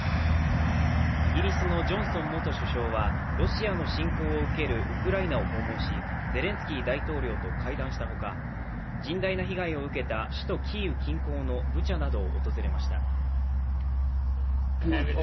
イギリスのジョンソン元首相はロシアの侵攻を受けるウクライナを訪問しゼレンスキー大統領と会談したほか、甚大な被害を受けた首都キーウ近郊のブチャなどを訪れました。